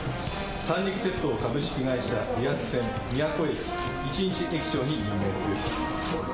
三陸鉄道株式会社、リアス線宮古駅一日駅長に任命する。